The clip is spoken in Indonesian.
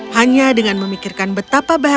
hanya dengan memikirkan betapa berharga hadiahnya